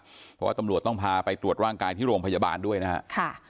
เพราะว่าตำรวจต้องพาไปตรวจร่างกายที่โรงพยาบาลด้วยนะครับ